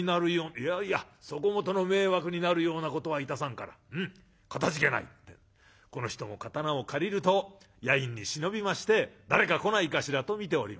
「いやいやそこもとの迷惑になるようなことはいたさんから。うんかたじけない」ってんでこの人も刀を借りると夜陰に忍びまして誰か来ないかしらと見ておりました。